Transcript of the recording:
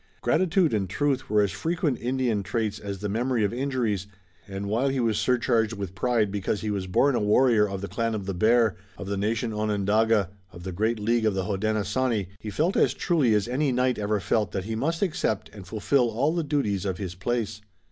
Gratitude and truth were as frequent Indian traits as the memory of injuries, and while he was surcharged with pride because he was born a warrior of the clan of the Bear, of the nation Onondaga, of the great League of the Hodenosaunee, he felt as truly as any knight ever felt that he must accept and fulfill all the duties of his place.